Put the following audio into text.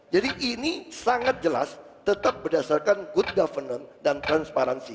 jadi ini sangat jelas tetap berdasarkan good governance dan transparansi